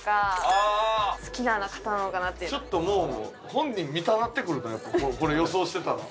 ちょっともう本人見たなってくるねこれ予想してたら。